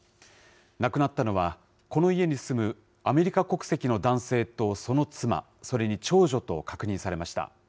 亡くなったのは、この家に住むアメリカ国籍の男性とその妻、それに長女と確認されました。